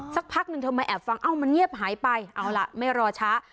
สักพักหนึ่งเธอมาแอบฟังเอ้ามันเงียบหายไปเอาล่ะไม่รอช้า